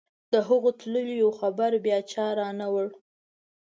د هغو تللیو خبر بیا چا رانه وړ.